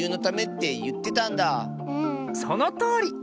そのとおり！